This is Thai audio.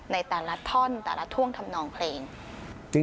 ในแต่ละท่อนแต่ละท่วงทำนองเพลง